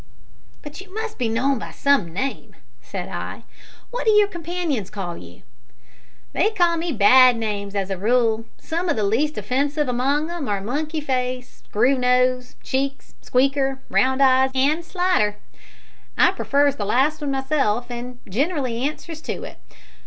"But you must be known by some name," said I. "What do your companions call you?" "They call me bad names, as a rule. Some o' the least offensive among 'em are Monkey face, Screwnose, Cheeks, Squeaker, Roundeyes, and Slidder. I prefers the last myself, an' ginerally answers to it.